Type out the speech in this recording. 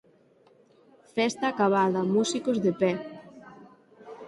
Festa acabada, músicos de pé.